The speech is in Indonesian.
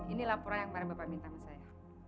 ini laporan yang baru bapak minta sama saya